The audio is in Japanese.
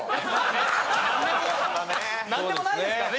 何でもないですからね